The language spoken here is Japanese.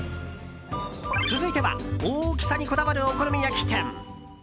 続いては、大きさにこだわるお好み焼き店。